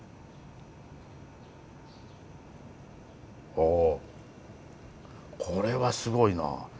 おこれはすごいな。